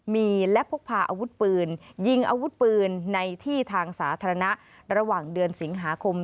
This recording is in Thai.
มีและพกพาอาวุธปืนยิงอาวุธปืนในที่ทางสาธารณะระหว่างเดือนสิงหาคม